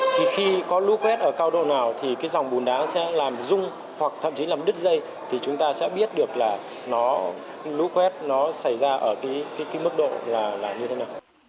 thì khi có lũ quét ở cao độ nào thì cái dòng bùn đá sẽ làm rung hoặc thậm chí làm đứt dây thì chúng ta sẽ biết được là nó lũ quét nó xảy ra ở cái mức độ là như thế nào